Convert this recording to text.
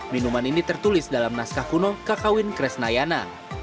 minuman ini tertulis dalam naskah kuno kakawin kresnayana